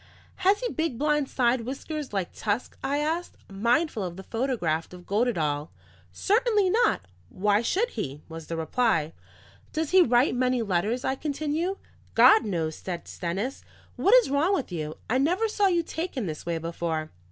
"Has he big blonde side whiskers like tusks?" I asked, mindful of the photograph of Goddedaal. "Certainly not: why should he?" was the reply. "Does he write many letters?" I continued. "God knows," said Stennis. "What is wrong with you? I never saw you taken this way before."